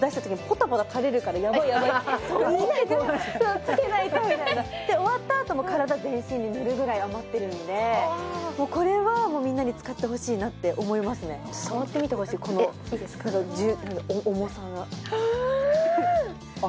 つけないとみたいな終わったあとも体全身に塗るぐらい余ってるのでこれはもうみんなに使ってほしいなって思いますね触ってみてほしいこの重さがあーっ